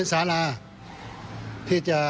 ช่วยให้สามารถสัมผัสถึงความเศร้าต่อการระลึกถึงผู้ที่จากไป